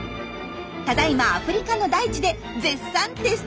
ただいまアフリカの大地で絶賛テスト中です。